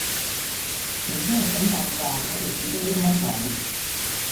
你聽日想帶飯我就煮多一嘜米